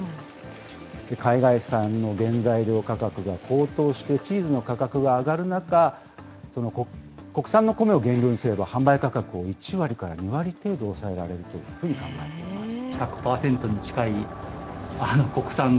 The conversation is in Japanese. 海外産の原材料価格が高騰して、チーズの価格が上がる中、国産のコメを原料にすれば、販売価格を１割から２割程度抑えられるというふうに考えています。